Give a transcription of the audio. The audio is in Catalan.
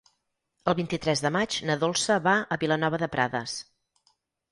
El vint-i-tres de maig na Dolça va a Vilanova de Prades.